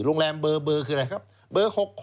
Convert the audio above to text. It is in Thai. โรงแรมเบอร์คืออะไรครับเบอร์๖๖